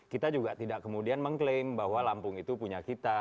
kita juga tidak kemudian mengklaim bahwa lampung itu punya kita